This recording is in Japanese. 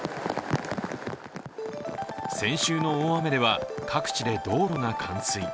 先週の大雨では各地で道路が冠水。